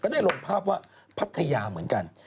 ได้ลงภาพว่าพัทยาเหมือนกัน